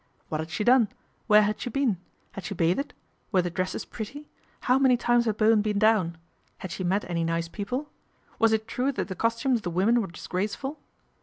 What had she done ? Where had she been ? Had she bathed ? Were the dresses pretty ? How many times had Bowen been down ? Had she met any nice people ? Was it true that the costumes of the women were disgraceful